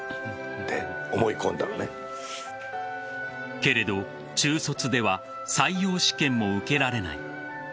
けれど、中卒では採用試験も受けられない。